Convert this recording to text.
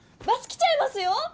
バス来ちゃいますよ！